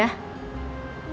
biar nggak susah